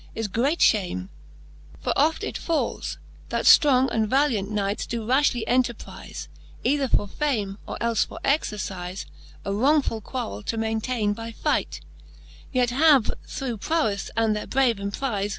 Is greateft fhame : for oft it falles, that fbong And valiant Knights doe rafhly enterprize, Either for fame, or elfe for exercize, A wrongfull quarrell to maintaine by right; Yet have, through prowefTe and their brave emprize.